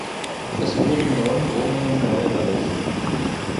Es wurden neun Wohnungen neu errichtet.